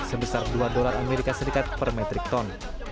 sebesar dua dolar as per metrik ton